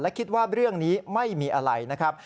และคิดว่าเรื่องนี้ไม่มีอะไรนะครับ